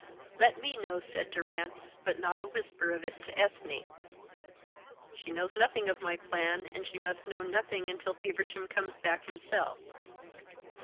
"Let me know," said Durrance, "but not a whisper of it to Ethne. She knows nothing of my plan, and she must know nothing until Feversham comes back himself.